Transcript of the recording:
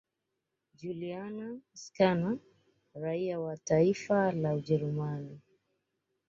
Julian Scherner raia wa taifa la Ujerumani